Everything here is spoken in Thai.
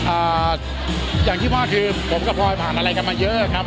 อ่าอย่างที่ว่าคือผมกับพลอยผ่านอะไรกันมาเยอะครับ